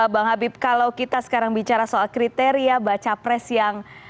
bang habib kalau kita sekarang bicara soal kriteria baca pres yang